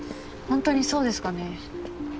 本当にそうですかね？